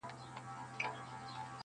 رانه دَ کومې خطا اخلې انتقام هلکه